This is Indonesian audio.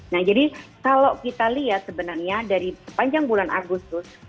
nah jadi kalau kita lihat sebenarnya dari sepanjang bulan agustus